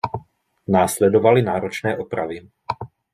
Následovaly náročné opravy.